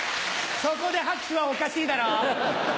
そこで拍手はおかしいだろ？